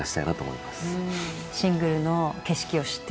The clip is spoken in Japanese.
シングルの景色を知ってる大ちゃん